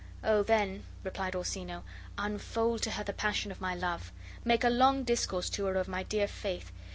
"Oh, then," replied Orsino, "unfold to her the passion of my love. Make a long discourse to her of my dear faith.